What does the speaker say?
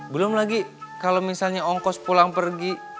belum lagi kalau misalnya ongkos pulang pergi